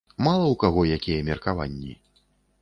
Мала ў каго якія меркаванні.